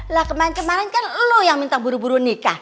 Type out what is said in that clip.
lah kemarin kemarin kan lo yang minta buru buru nikah